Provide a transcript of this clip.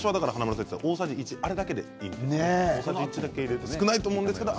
大さじ１最初はあれだけでいいんですね。